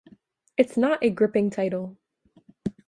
It's not a gripping title.